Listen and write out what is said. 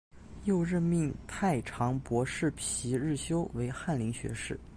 又任命太常博士皮日休为翰林学士。